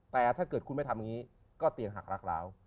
แต่ถ้าเกิดคุณไม่ทำอย่างนี้ก็เตียงหักรักร้าว